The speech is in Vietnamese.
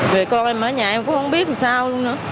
vì con em ở nhà em cũng không biết làm sao luôn nữa